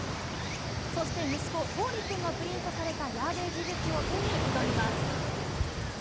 そして、息子、桃琉くんがプリントされたヤーデージブックを手に挑みます。